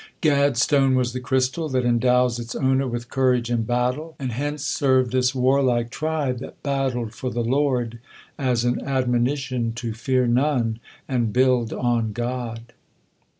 Gad's stone was the crystal, that endows its owner with courage in battle, and hence served this warlike tribe that battled for the Lord as an admonition to fear none and build on God.